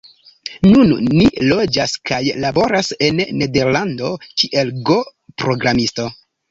Nun li loĝas kaj laboras en Nederlando kiel Go-programisto.